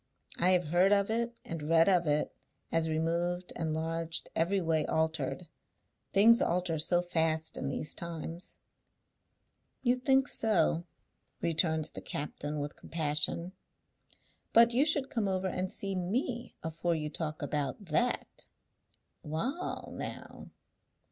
I have heard of it, and read of it, as removed, enlarged, every way altered. Things alter so fast in these times." "You think so," returned the captain, with compassion; "but you should come over and see me afore you talk about that. Wa'al, now.